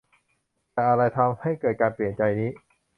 แต่อะไรทำให้เกิดการเปลี่ยนใจนี้